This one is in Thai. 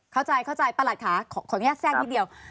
เข้าใจเข้าใจประหลัดค่ะขออนุญาตแทรกนิดเดียว